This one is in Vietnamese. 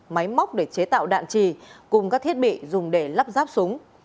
máy móc để chế tạo đạn trì cùng các thiết bị dùng để lắp ráp súng